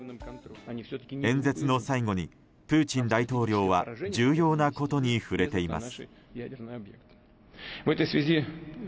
演説の最後にプーチン大統領は重要なことに触れています。